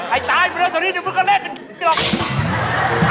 ไอ้ตายมันเลยสรีหนึ่งมึงก็เล่นเป็นปี๊บหลอก